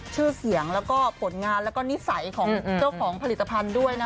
ชื่อเสียงแล้วก็ผลงานแล้วก็นิสัยของเจ้าของผลิตภัณฑ์ด้วยนะ